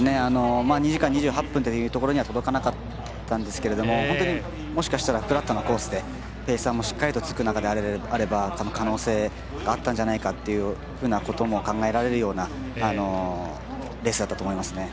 ２時間２８分というところには届かなかったんですけど本当にもしかしたらフラットなコースで、ペーサーもしっかりとつく中であれば可能性はあったんじゃないかというふうなことも考えられるようなレースだったと思います。